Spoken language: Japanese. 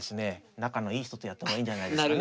仲のいい人とやった方がいいんじゃないですかね。